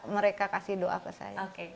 mereka kasih doa ke saya